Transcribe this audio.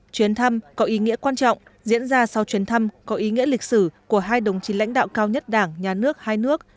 chuyến thăm có ý nghĩa quan trọng diễn ra sau chuyến thăm có ý nghĩa lịch sử của hai đồng chí lãnh đạo cao nhất đảng nhà nước hai nước